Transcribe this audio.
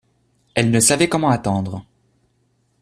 Elle ne savait comment attendre.